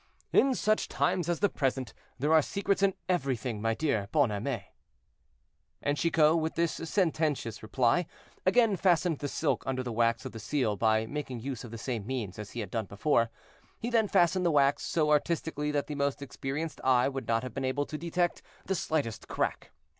"In such times as the present there are secrets in everything, my dear Bonhomet." And Chicot, with this sententious reply, again fastened the silk under the wax of the seal by making use of the same means as he had done before; he then fastened the wax so artistically that the most experienced eye would not have been able to have detected the slightest crack.